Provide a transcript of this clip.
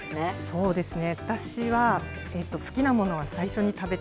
そうですね。